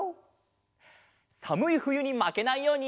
さむいふゆにまけないように。